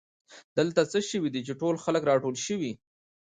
دلته څه شوي دي چې ټول خلک راټول شوي